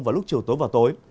vào lúc chiều tối và tối